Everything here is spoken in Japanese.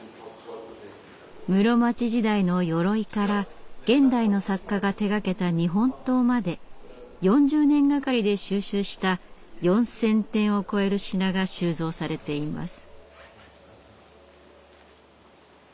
室町時代のよろいから現代の作家が手がけた日本刀まで４０年がかりで収集した４，０００点を超える品が収蔵されています。